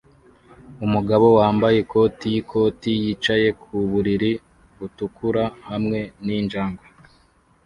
Umugabo wambaye ikoti yikoti yicaye ku buriri butukura hamwe ninjangwe